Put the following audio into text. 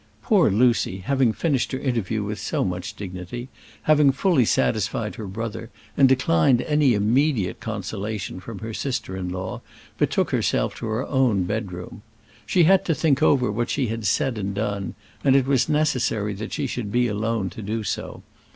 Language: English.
Poor Lucy, having finished her interview with so much dignity, having fully satisfied her brother, and declined any immediate consolation from her sister in law, betook herself to her own bed room. She had to think over what she had said and done, and it was necessary that she should be alone to do so.